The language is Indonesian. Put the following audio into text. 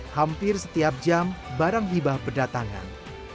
hampir setiap jam barang hibah berdatangan